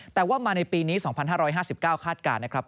แต่ว่ามาในปีนี้๒๕๕๙คาดการณ์นะครับ